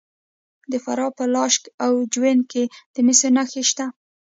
د فراه په لاش او جوین کې د مسو نښې شته.